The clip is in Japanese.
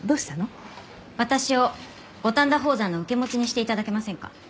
私を五反田宝山の受け持ちにして頂けませんか？